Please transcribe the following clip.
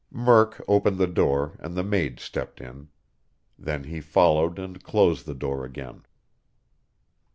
Murk opened the door, and the maid stepped in. Then he followed and closed the door again.